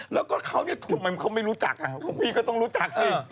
แล้วก็เขาเนี่ยทำไมเขาไม่รู้จักพี่ก็ต้องรู้จักสิ